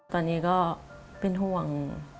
ตอนนี้ก็เป็นห่วง